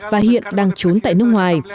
và hiện đang trốn tại nước ngoài